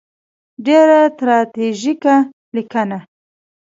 ډېره تراژیکه لیکنه.